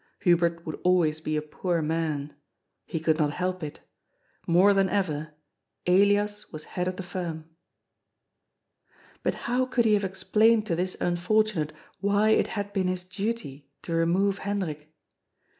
Hubert would always be a poor man. He could not help it. More than ever, Elias was head of the firm. But how could he have explained to this unfortunate why it had been his duty to remove Hendrik ?